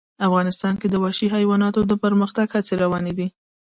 افغانستان کې د وحشي حیواناتو د پرمختګ هڅې روانې دي.